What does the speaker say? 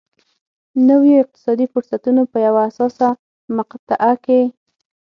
نویو اقتصادي فرصتونو په یوه حساسه مقطعه کې.